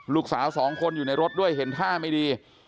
ลูกสาวสองคนอยู่ในรถด้วยเห็นท่าไม่ดี